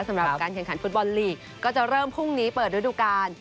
สำหรับการแข่งขันฟุตบอลลีกก็จะเริ่มพรุ่งนี้เปิดฤดูกาล